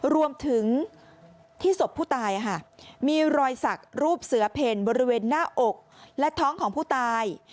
รวมถึงที่ศพผู้ตายมีรอยสักรูปเสือเพ่นบริเวณหน้าอกและท้องของผู้ตาย